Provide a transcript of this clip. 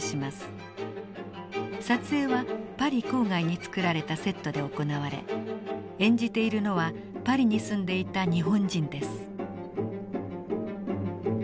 撮影はパリ郊外に作られたセットで行われ演じているのはパリに住んでいた日本人です。